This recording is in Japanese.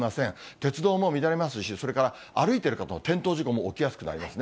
鉄道も乱れますし、それから歩いている方は、転倒事故も起きやすくなりますね。